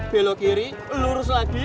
belok kiri lurus lagi